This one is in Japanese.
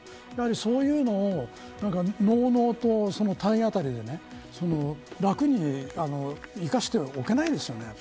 そういうのをのうのうと体当たりで楽に生かしておけないですよね。